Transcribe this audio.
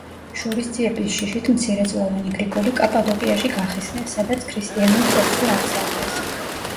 შურისძიების შიშით მცირეწლოვანი გრიგოლი კაპადოკიაში გახიზნეს, სადაც ქრისტიანულ წესზე აღზარდეს.